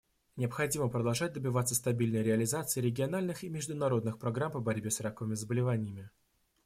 Необходимо продолжать добиваться стабильной реализации региональных и международных программ по борьбе с раковыми заболеваниями.